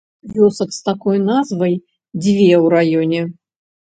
Вёсак з такой назвай дзве ў раёне.